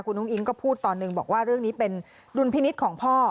คุณอุ้งอิ๊งก็พูดตอนหนึ่งบอกว่าเรื่องนี้เป็นดุลพินิษฐ์ของพ่อ